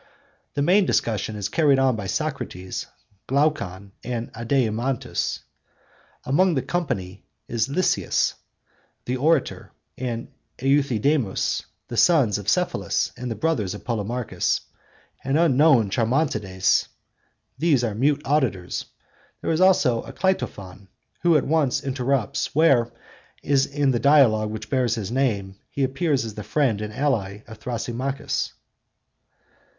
The main discussion is carried on by Socrates, Glaucon, and Adeimantus. Among the company are Lysias (the orator) and Euthydemus, the sons of Cephalus and brothers of Polemarchus, an unknown Charmantides—these are mute auditors; also there is Cleitophon, who once interrupts, where, as in the Dialogue which bears his name, he appears as the friend and ally of Thrasymachus.